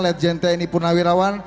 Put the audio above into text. led jentia ini purnawirawan